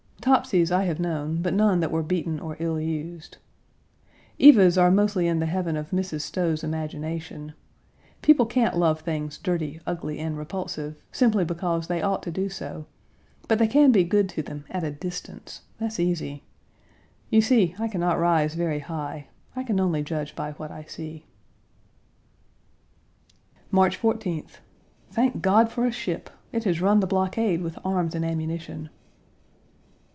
Topsys I have known, but none that were beaten or ill used. Page 143 used. Evas are mostly in the heaven of Mrs. Stowe's imagination. People can't love things dirty, ugly, and repulsive, simply because they ought to do so, but they can be good to them at a distance; that's easy. You see, I can not rise very high; I can only judge by what I see. March 14th. Thank God for a ship! It has run the blockade with arms and ammunition.